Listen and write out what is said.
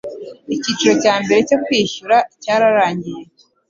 icyiciro cya mbere cyo kwishyura cyararangiye